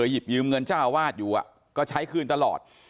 ยืมเงินจ้าวาดอยู่ก็ใช้คืนตลอด